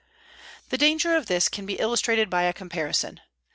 The danger of this can be illustrated by a comparison.